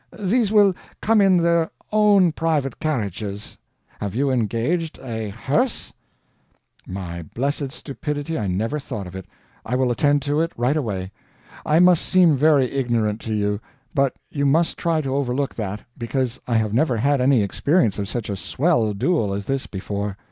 These will come in their own private carriages. Have you engaged a hearse?" "Bless my stupidity, I never thought of it! I will attend to it right away. I must seem very ignorant to you; but you must try to overlook that, because I have never had any experience of such a swell duel as this before.